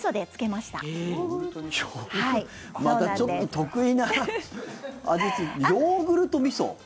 またちょっと特異な味ヨーグルトみそ？